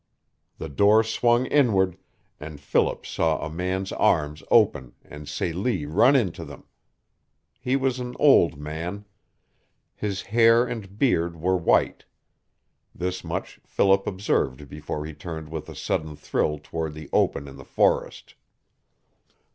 The door swung inward, and Philip saw a man's arms open and Celie run into them. He was an old man. His hair and beard were white. This much Philip observed before he turned with a sudden, thrill toward the open in the forest.